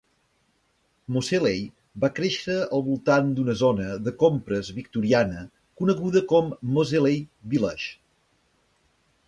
Moseley va créixer al voltant d'una zona de compres victoriana coneguda com "Moseley Village".